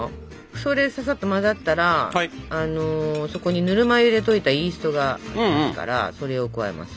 それでささっと混ざったらそこにぬるま湯で溶いたイーストがあるからそれを加えます。